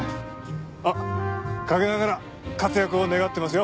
あっ陰ながら活躍を願ってますよ